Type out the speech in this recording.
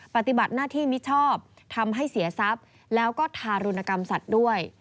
ปฏิบัติหน้าที่มิชอบทำให้เสียทรัพย์แล้วก็ทารุณกรรมสัตว์ด้วย